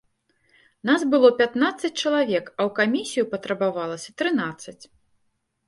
Нас было пятнаццаць чалавек, а ў камісію патрабавалася трынаццаць.